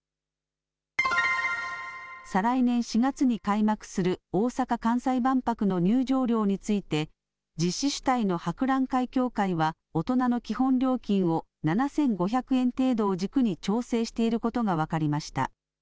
再来年４月に開幕する大阪・関西万博の入場料について、実施主体の博覧会協会は、大人の基本料金を７５００円程度を軸に調整していることが分かりました。